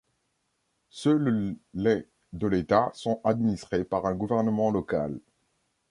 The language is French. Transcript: Seules les de l'État sont administrées par un gouvernement local.